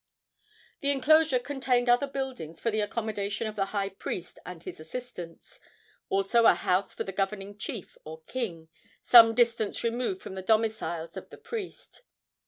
The enclosure contained other buildings for the accommodation of the high priest and his assistants; also a house for the governing chief or king, some distance removed from the domiciles of the priest.